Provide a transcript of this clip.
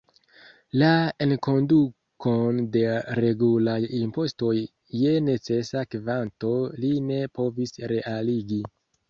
La enkondukon de regulaj impostoj je necesa kvanto li ne povis realigi.